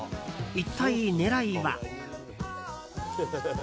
一体、狙いは。